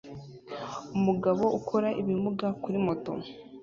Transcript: Umugabo ukora ibimuga kuri moto